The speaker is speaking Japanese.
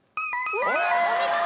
お見事！